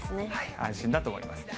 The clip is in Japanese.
安心だと思います。